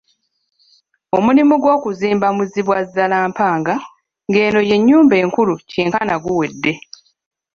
Omulimu gw'okuzimba Muzibwazaalampanga ng'eno y'ennyumba enkulu kyenkana guwedde.